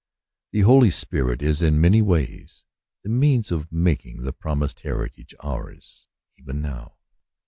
The Holy Spirit is in many ways the means of making the promised heritage ours even now.